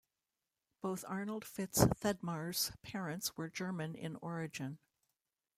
Both Arnold Fitz Thedmar's parents were German in origin.